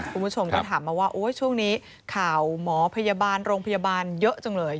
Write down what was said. คุณผู้ชมก็ถามมาว่าช่วงนี้ข่าวหมอพยาบาลโรงพยาบาลเยอะจังเลย